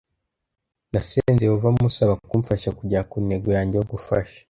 Nasenze Yehova musaba kumfasha kugera ku ntego yanjye yo gufasha